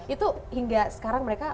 itu hingga sekarang mereka